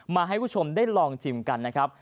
ให้ผู้ชมได้ลองชิมกันนะครับ